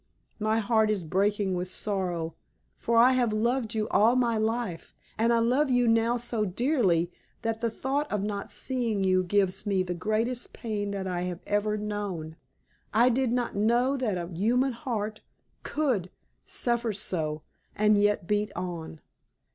My heart is breaking with its sorrow; for I have loved you all my life, and I love you now so dearly that the thought of not seeing you gives me the greatest pain that I have ever known. I did not know that a human heart could suffer so and yet beat on.